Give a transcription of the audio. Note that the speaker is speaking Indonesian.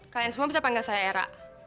kalian semua bisa panggil saya era